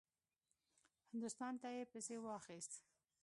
هندوستان ته یې پسې واخیست.